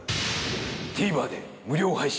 ＴＶｅｒで無料配信。